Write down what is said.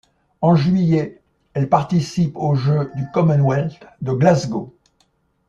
En juillet, elle participe aux Jeux du Commonwealth de Glasgow.